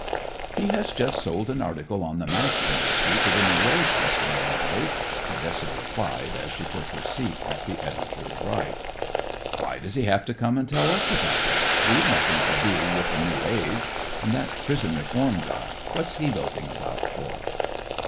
"He has just sold an article on the match industry to 'The New Age,' Mr. O'Mally," Ardessa replied as she took her seat at the editor's right. "Why does he have to come and tell us about it? We've nothing to do with 'The New Age.' And that prison reform guy, what's he loafing about for?"